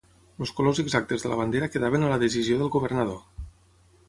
Els colors exactes de la bandera quedaven a la decisió del governador.